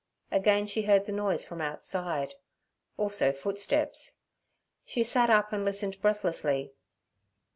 Again she heard the noise from outside, also footsteps. She sat up and listened breathlessly.